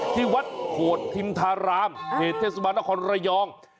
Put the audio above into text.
ที่วัดโหดทิมธารามเขตเทศบาลนครระยอง